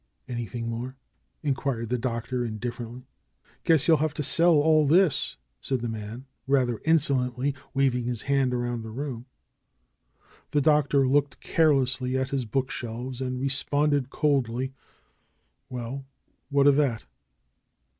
"Anything more?" inquired the Doctor, indifferently. "Guess you'll have to sell all this !" said the man, rather insolently, waving his hand around the room. The Doctor looked carelessly at his book shelves and responded coldly, "Well! What of that?"